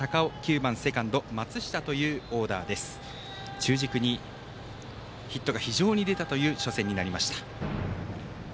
中軸にヒットが非常に出たという初戦になりました。